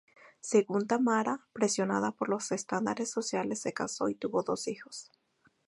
Según Tamara, presionada por los estándares sociales se casó y tuvo dos hijos.